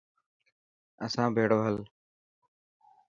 اسان بهڙو هل.